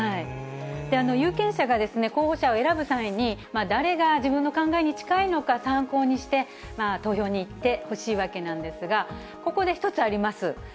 有権者が候補者を選ぶ際に、誰が自分の考えに近いのか参考にして、投票に行ってほしいわけなんですが、ここで１つあります。